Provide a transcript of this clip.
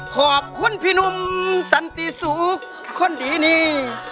ขอบคุณพี่หนุ่มสันติสุขคนดีนี้